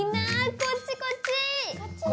こっちこっち！